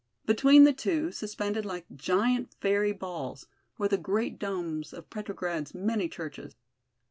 Between the two, suspended like giant fairy balls, were the great domes of Petrograd's many churches.